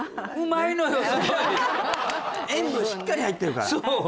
塩分しっかり入ってるからそう！